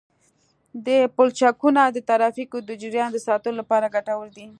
دا پلچکونه د ترافیکو د جریان د ساتلو لپاره ګټور دي